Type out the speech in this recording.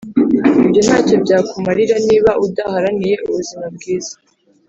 ibyo ntacyo byakumarira niba udaharaniye ubuzima bwiza